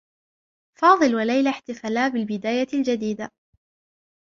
فاضل وليلى احتفلا بالبداية الجديدة